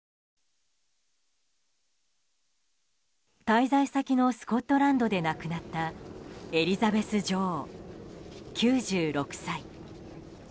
滞在先のスコットランドで亡くなったエリザベス女王９６歳。